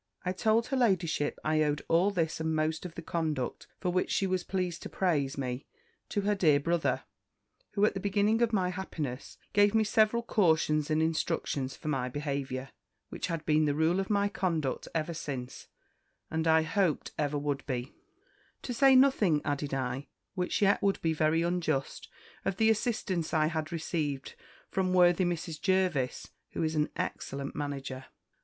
I told her ladyship, I owed all this and most of the conduct for which she was pleased to praise me, to her dear brother, who, at the beginning of my happiness, gave me several cautions and instructions for my behaviour; which had been the rule of my conduct ever since, and I hoped ever would be: "To say nothing," added I, "which yet would be very unjust, of the assistance I received from worthy Mrs. Jervis, who is an excellent manager."